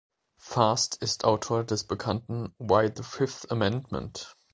Fast ist Autor des bekannten Why the Fifth Amendment?